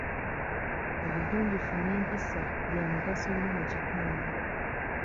Obugunjufu n'empisa bya mugaso nnyo mu kitundu.